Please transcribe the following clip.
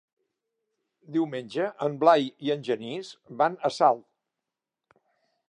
Diumenge en Blai i en Genís van a Salt.